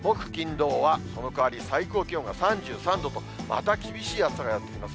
土はそのかわり最高気温が３３度と、また厳しい暑さがやって来ます。